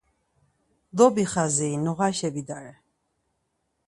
Dobixaziri noğaşa bidare.